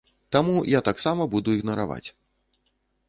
Таму я таксама буду ігнараваць.